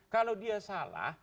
kalau dia salah